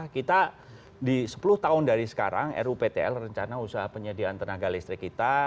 kita di sepuluh tahun dari sekarang ruptl rencana usaha penyediaan tenaga listrik kita